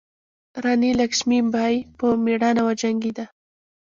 راني لکشمي بای په میړانه وجنګیده.